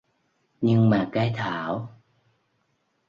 Nhưng mà cái thảo